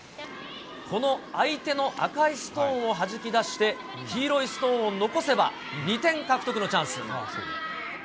この相手の赤いストーンをはじき出して、黄色いストーンを残せば、２点獲得のチャンス。